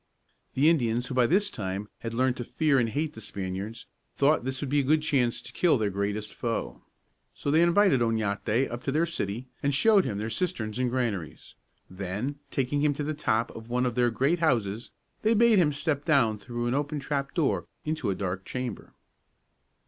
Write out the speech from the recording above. The Indians, who by this time had learned to fear and hate the Spaniards, thought this would be a good chance to kill their greatest foe. So they invited Oñate up into their city, and showed him their cisterns and granaries. Then, taking him to the top of one of their great houses, they bade him step down through an open trapdoor into a dark chamber.